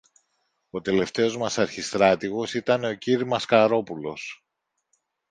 ο τελευταίος μας αρχιστράτηγος ήταν ο κυρ-Μασκαρόπουλος.